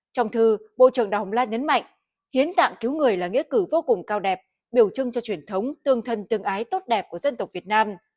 trong thư bộ trưởng đào hồng lan nhấn mạnh hiến tạng cứu người là nghĩa cử vô cùng cao đẹp biểu trưng cho truyền thống tương thân tương ái tốt đẹp của dân tộc việt nam